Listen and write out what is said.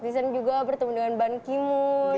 disana juga bertemu dengan ban ki moon